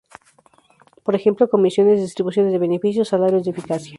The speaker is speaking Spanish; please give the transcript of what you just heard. Por ejemplo, comisiones, distribución de beneficios, salarios de eficacia.